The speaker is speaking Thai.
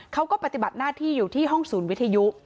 เขาก็ปฏิบัติหน้าที่อยู่ที่ห้องศูนย์วิทยุ